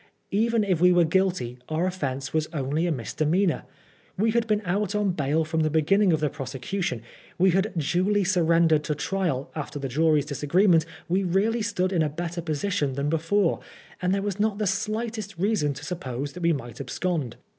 Ever if we were guilty our offence was only a misdemeanor. We had been out on bail from the beginning of tht. prosecution, we had duly surrendered to trial, after the jury's disagreement we really stood in a better position than before, and there was not the slightest reason to suppose that we might abscond.